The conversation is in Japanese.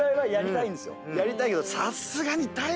やりたいけど。